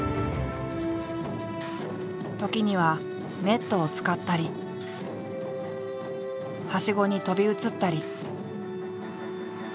時にはネットを使ったりはしごに飛び移ったり。